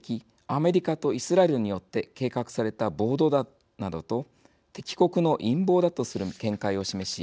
アメリカとイスラエルによって計画された暴動だなどと敵国の陰謀だとする見解を示し